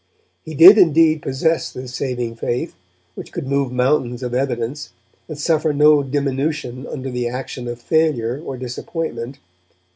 He did indeed possess this saving faith, which could move mountains of evidence, and suffer no diminution under the action of failure or disappointment.